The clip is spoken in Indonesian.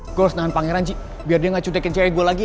gue harus nahan pangeran ji biar dia gak cuntekin jari gue lagi ya